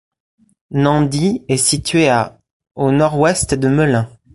Nandy est située à au nord-ouest de Melun.